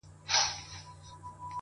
o خبرېږم زه راته ښېراوي كوې؛